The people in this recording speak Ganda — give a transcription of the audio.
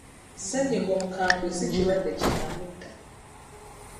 Ssenyiga omukambwe si kirwadde kinnamutta.